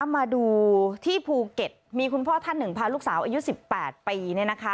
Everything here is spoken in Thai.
มาดูที่ภูเก็ตมีคุณพ่อท่านหนึ่งพาลูกสาวอายุ๑๘ปี